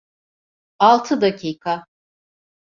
Altı dakika.